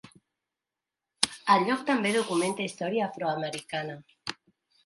El lloc també documenta història afroamericana.